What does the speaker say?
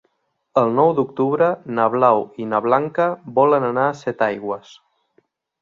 El nou d'octubre na Blau i na Blanca volen anar a Setaigües.